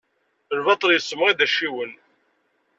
Lbaṭel yessemɣi-d acciwen.